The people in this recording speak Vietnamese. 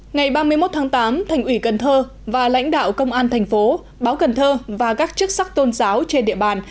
ngày ba mươi một tháng tám thành ủy cần thơ và lãnh đạo công an thành phố báo cần thơ và các chức sắc tôn giáo trên địa bàn